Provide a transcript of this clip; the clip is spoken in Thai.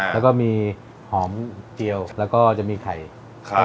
แล้วก็มีหอมเจียวแล้วก็จะมีไข่ครับ